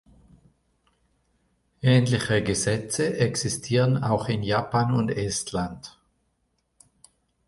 Ähnliche Gesetze existieren auch in Japan und Estland.